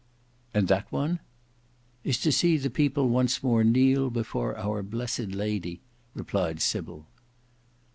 "And that one?" "Is to see the people once more kneel before our blessed Lady," replied Sybil.